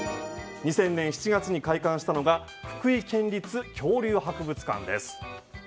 ２０００年７月に開館したのが福井県立恐竜博物館です。